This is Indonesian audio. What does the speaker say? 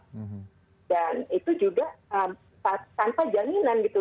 jadi ini juga tanpa jaminan gitu